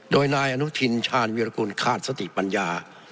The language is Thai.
โดยนายอนุทินชาญวิรากุลขาดสติปัญญา